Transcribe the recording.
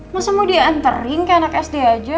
masa mau di anterin kayak anak sd aja